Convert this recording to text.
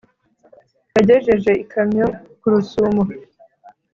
Yagejeje ikamyo ku rusumo.